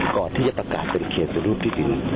ก่อนที่จะประกาศเป็นเขตเป็นรูปที่ดี